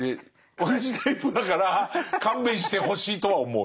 同じタイプだから勘弁してほしいとは思う。